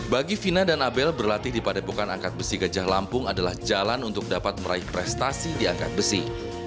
bagi vina dan abel berlatih di padepokan angkat besi gajah lampung adalah jalan untuk dapat meraih prestasi di angkat besi